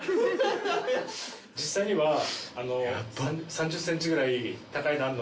実際には３０ｃｍぐらい高い段の上で。